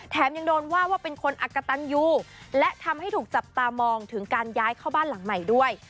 ยังโดนว่าว่าเป็นคนอักกะตันยูและทำให้ถูกจับตามองถึงการย้ายเข้าบ้านหลังใหม่ด้วย